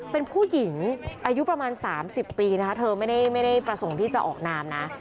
เป็นผู้หญิงอายุประมาณสามสิบปีนะคะเธอไม่ได้ไม่ได้ประสงค์ที่จะออกน้ำนะ